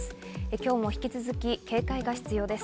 今日も引き続き警戒も必要です。